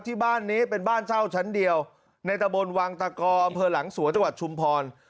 ที่บ้านนี้เป็นบ้านเช่าชั้นเดียวในตะบนวังตะกออำเภอหลังสวนจังหวัดชุมพร